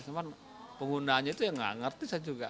cuman penggunaannya itu ya nggak ngerti saya juga